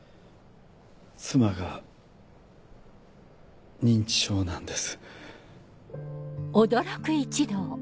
妻が認知症なんです。